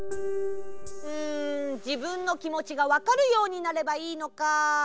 うんじぶんのきもちがわかるようになればいいのか。